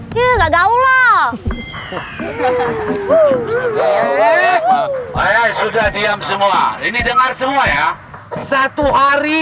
ini dengar semua ya satu hari